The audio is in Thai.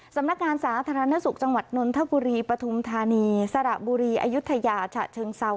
สำนักงานสาธารณสุขจังหวัดนนทบุรีปฐุมธานีสระบุรีอายุทยาฉะเชิงเซา